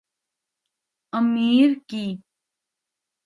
امیر کی